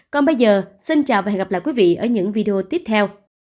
còn bây giờ xin chào và hẹn gặp lại quý vị ở những video tiếp theo